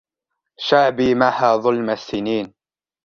شعبي محا ظلم السنين